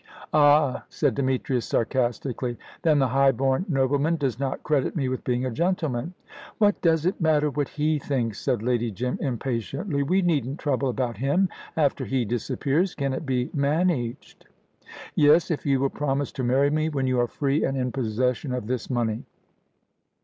"Ah," said Demetrius, sarcastically. "Then the high born nobleman does not credit me with being a gentleman?" "What does it matter what he thinks?" said Lady Jim, impatiently. "We needn't trouble about him after he disappears. Can it be managed?" "Yes, if you will promise to marry me when you are free and in possession of this money."